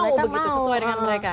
mereka mau begitu sesuai dengan mereka